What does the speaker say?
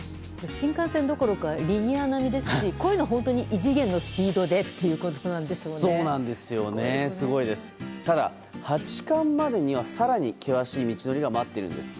新幹線どころかリニア並みですしこういうのは本当に異次元のスピードでただ、八冠までには更に険しい道のりが待っているんです。